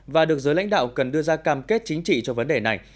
và được giới lãnh đạo cần đưa ra cam kết chính trị cho vấn đề này